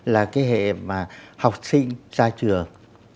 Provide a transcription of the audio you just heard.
là cái hệ mà học sinh ra trường